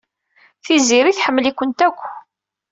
Tiziri tḥemmel-ikent akk.